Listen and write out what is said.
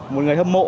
một người hâm mộ